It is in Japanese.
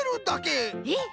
えっ？